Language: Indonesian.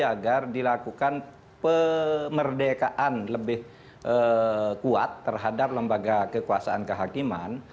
agar dilakukan pemerdekaan lebih kuat terhadap lembaga kekuasaan kehakiman